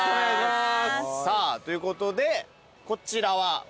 さあということでこちらはまず。